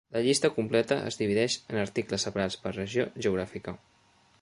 La llista completa es divideix en articles separats per regió geogràfica.